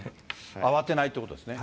慌てないってことですね。